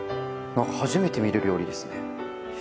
何か初めて見る料理ですね。